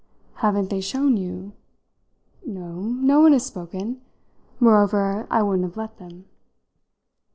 "Haven't they shown you ?" "No, no one has spoken. Moreover I wouldn't have let them."